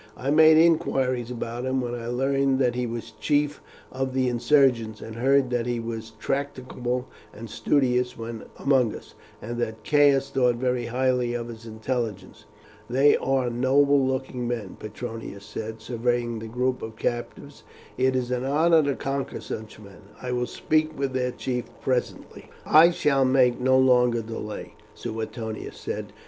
I made inquiries about him, when I learned that he was chief of the insurgents, and heard that he was tractable and studious when among us, and that Caius thought very highly of his intelligence." "They are noble looking men," Petronius said, surveying the group of captives; "it is an honour to conquer such men. I will speak with their chief presently." "I shall make no longer delay," Suetonius said.